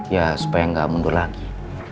ya supaya nggak mundur lagi